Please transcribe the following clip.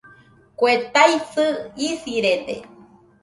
Kue taisɨ isirede